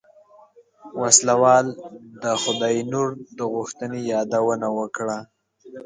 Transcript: وسله وال د خداينور د غوښتنې يادونه وکړه.